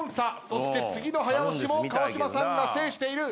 そして次の早押しも川島さんが制している。